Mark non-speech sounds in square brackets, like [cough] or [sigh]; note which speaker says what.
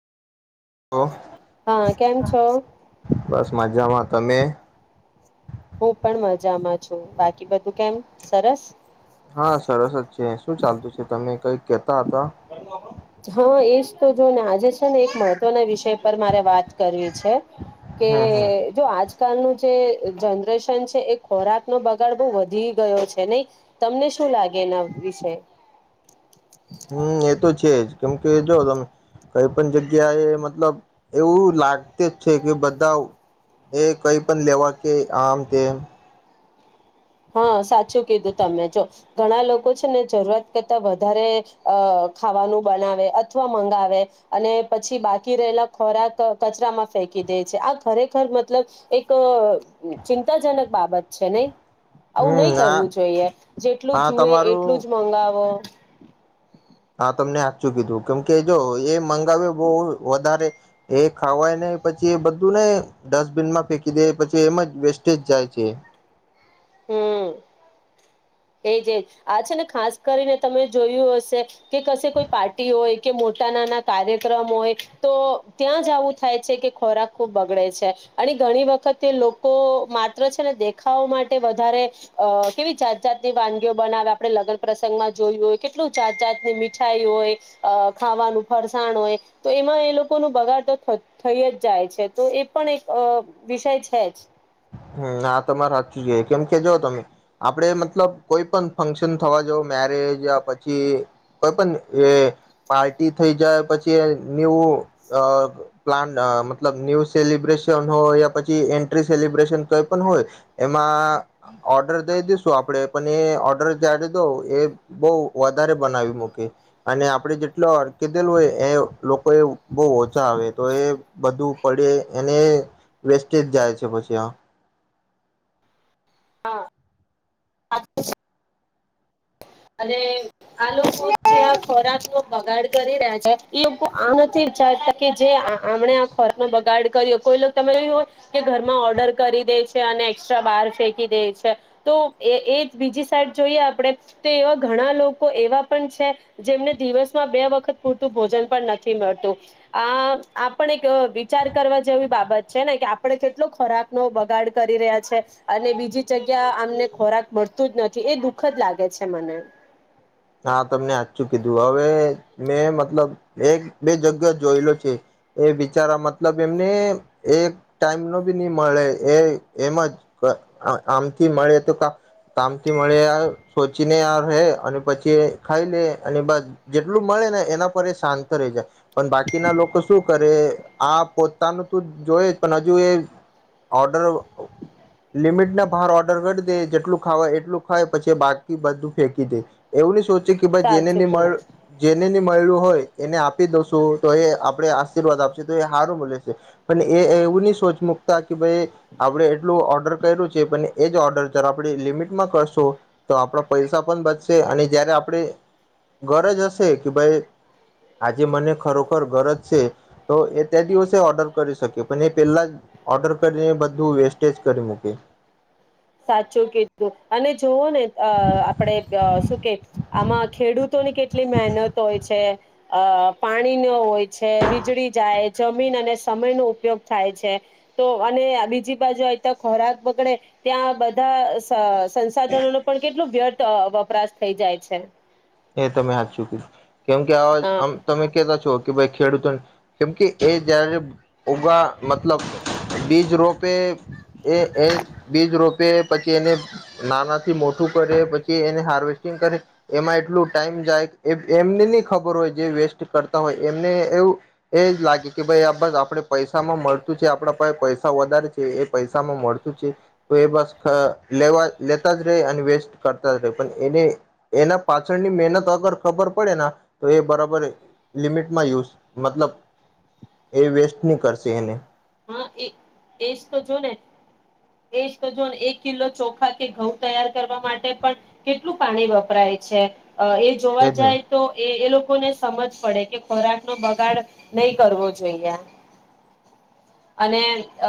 Speaker 1: હા કેમ છો
Speaker 2: બસ મજામાં તમે,
Speaker 1: હું પણ મજામાં છું. બાકી બધું કેમ સરસ
Speaker 2: હા સરસ જ છે શું ચાલતું છે તમે? કેતા હતા
Speaker 1: હમ્મ એજ તો જોને આજે છે ને એક મહત્વના વિષય પર મારે વાત કરવી છે. કે
Speaker 2: હમ હમ
Speaker 1: જો આજ. આજકાલનું જે જનરેશન છેએ ખોરાક નો બગાડ બહુ વધી ગયો છે. નહી તમને શું લાગે એના વિશે?
Speaker 2: [inaudible] [inaudible] [inaudible] હમ્મ એ તો છે જ કેમ કે જો તમે કઈ પણ જગ્યા એ મતલબ એવું લાગતી જ છે કે બધા એ કઈ પણ માં લેવા કે આમ તેમ.
Speaker 1: હા સાચું કીધું તમે જો ઘણા લોકો છે ને જરૂરત કરતા વધારે ખાવાનું બનાવે અથવા મંગાવે અને પછી બાકી રહેલા ખોરાક કચરામાં ફેંકી દે છે આ ખરેખર મતલબ એક ચિંતાજનક બાબત છે નહી. આવું
Speaker 2: હમ
Speaker 1: નહી
Speaker 2: આ
Speaker 1: કરવું જોઈએ જેટલું
Speaker 2: આ
Speaker 1: જુએ એટલું
Speaker 2: તમારું
Speaker 1: જ મંગાવો. [inaudible]
Speaker 2: હા તમને સાચું કીધું કેમ કે જો એ મંગાવે બહુ વધારે એ ખાવાય ને પછી એ બધું ને ડસ્ટબિનમાં ફેંકી દે પછી એમ જ વેસ્ટેજ જાય છે.
Speaker 1: હમ્મ એજ એજ આ છે ને ખાસ કરીને તમે જોયું હશે કે કશે કોઈ પાર્ટી હોય કે મોટા નાના કાર્યક્રમ હોય તો ત્યાં જ આવું થાય છે કે ખોરાક ખુબ બગડે છે. અને ઘણી વખતે લોકો માત્ર છે. ને દેખાવવા માટે વધારે અ કેવી જાત જાતની વાનગીઓ બનાવે આપણે લગ્ન પ્રસંગમાં જોયું હોય કેટલું જાત જાતની મીઠાઈ હોય ખાવાનું ફરસાણ હોય તો એમાં એ લોકો ન બગાડ તો થઈ જ જાય છે. તો એ પણ એક વિષય છે જ.
Speaker 2: હમ્મ તમારે સાચું જોઈ કેમ કે જો તમે આપડે મતલબ કોઈ પણ ફંક્શન થવા જ મેરેજ યા પછી કોઈ પણ એ પાર્ટી થઈ જાય પછી ન્યૂ પ્લાન મતલબ ન્યૂ સેલિબ્રેશન હોય યા પછી એન્ટ્રીસ સેલિબ્રેશન કઈ પણ હોય એમાં ઓર્ડર દઈ દીસું આપણે પણ એ ઓર્ડર આપી દો એ બહુ વધારે બનાવી મૂકી અને આપડે જેટલુ કીધેલું હોય એ લોકો એ બહુ ઓછા આવે તો એ બધું પડે એને વેસ્ટેજ જાય છે. [unintelligible]
Speaker 1: હા. હા. અને આ લોકો આ ખોરાક નો બગાડ કરી રહ્યા છે એ લોકો આ નથી વિચારતા કે જેણે આ ખોરાક નો બગાડ કર્યો કોઈ તરે હોય કે ઘરમાં ઓર્ડર કરી દે છે અને એસ્ટ્રા બહાર ફેંકી દે છે તો એ એ બીજી સાઈડ જોઈએ આપડે એવા ઘણા લોકો એવા પણ છે જેમને દિવસમાં બે વખત પૂરતું ભોજન પણ નથી મળતું આ આપણ એક વિચાર કરવા જેવી બાબત છે ને કે આપણે કેટલો ખોરાક નો બગાડ કરી રહ્યા છે અને બીજી જગ્યા અમને ખોરાક મળતું જ નથી એ દુઃખ જ લાગે છે. મને
Speaker 2: હા તમને આચું કીધું હવે મેં મતલબ એક બે જગ્યા જોયેલો છે એ બિચારા મતલબ એમને એક ટાઈમ નો બી નહી મળે એ એમ જ આમથી મળે તો કામથી મળે સોચીને આ રહે અને પછી કે ખાઈ લે અને બસ જેટલું મળે ને એના પર એ શાંત રહી જાય પણ બાકીના લોકો શું કરે આ પોતાનું તો જોય જ પણ હજુ એ ઓર્ડર લિમિટના બહાર ઓર્ડર કરીઢ દે જેટલું ખાવા એટલું ખાય પછી બાકી બધું ફેંકી દે. એવુંની સો
Speaker 1: સાચું કહ્યું
Speaker 2: [unintelligible] જને મળેલું હોય એને આપી દોસું તો એ આપણે આશીર્વાદ આપશે તો એ સારું મળલે છે પણ એ એવું નહી સોચ મૂકતા કે ભાઈ આપડણે એટલું ઓર્ડર કર્યું છે પણ એ જ ઓર્ડર જ આપણે લિમિટમાં કરશું તો આપણા પૈસા પણ બચશે. તે અને જયારે આપણે ગરજ હશે કે ભાઈ આજે મને ખરોખર ગરજ છે તો એ તે દિવસે ઓર્ડર કરી શકીએ પણ એ પહેલા જ ઓર્ડર કરીને બધું વેસ્ટેજ કરી મૂકે.
Speaker 1: સાચું કીધું અને જોવો ને અ આપડે શું કે આમાં ખેડૂત તે ને કેટલી મહેનત હોય છે. અ પાણી ન હોય છે વીજળી જાય જમીન અને સમય નો ઉપયોગ થાય છે તો અને બીજી બાજુ અ તો ખોરાક બગડે. ત્યાં બધા સંસાધનો ન પણ કેટલું વ્યર્થ વપરાશ થઈ જાય છે.
Speaker 2: એ તમે હા ચું ક કેમ કે આવામ તમે કેતા છો. કે ભાઈ ખેડૂતોને કેમ કે એ જયારે ઉગા મતલબ બીજ રોપે એ બીજ રોપે પછી એને નાનાથી મોટું કરે પછી એને હાર્વેસ્ટિંગ કરે એમાં એટલું ટાઈમ જાય એ એમને નહી ખબર હોય જે વેસ્ટ કરતા હોય એમને એવું એ જ લાગે કે ભાઈ આ બસ આપણે પૈસામાં મળતું છે આપણા પાસે પૈસા વધારે છે એ પૈસામાં મળતું છે તો એ બસ લેવા લેતા જ રહે અને વેસ્ટ કરતા જ રહે પણ એને એના પાછળની મહેનત અગર ખબર પડે તો એ બરાબર લિમિટમાં યુઝ મતલબ એ વેસ્ટ નહી કરશે એને.
Speaker 1: હા એ એશ તો જો ને એશ તો જોને એક કિલો ચોખા કે ઘઉં તૈયાર કરવા માટે પણ કેટલું પાણી વપરાય છે. અ એ જોવા
Speaker 2: એજ ને
Speaker 1: જાય તો એ એ લોકો લોકોને સમજ પડે કે ખોરાક નો બગાડ નહી કરવો જોઈએ અને